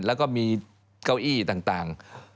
แล้วก็มีเก้าอี้ต่าง